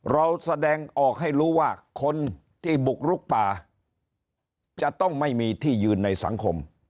เราแสดงออกให้รู้ว่าคนที่บุกลุกป่าจะต้องไม่มีที่ยืนในสังคม